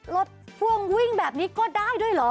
พ่วงวิ่งแบบนี้ก็ได้ด้วยเหรอ